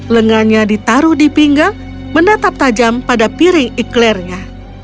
lengannya ditaruh di pinggang menatap tajam pada piring iklernya